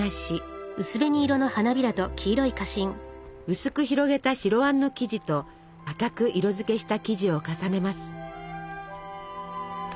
薄く広げた白あんの生地と赤く色づけした生地を重ねます。